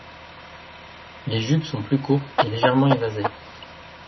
Les jupes sont plus courtes et légèrement évasées.